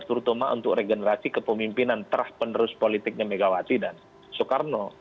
terutama untuk regenerasi kepemimpinan terah penerus politiknya megawati dan soekarno